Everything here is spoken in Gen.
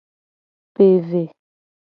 Pe ve.